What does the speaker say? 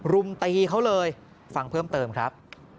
รุมตีเขาเลยฟังเพิ่มเติมครับ